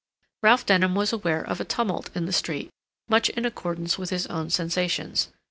Ralph Denham was aware of a tumult in the street much in accordance with his own sensations.